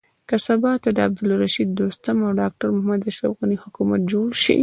که سبا ته د عبدالرشيد دوستم او ډاکټر محمد اشرف حکومت جوړ شي.